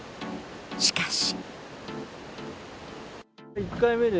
しかし。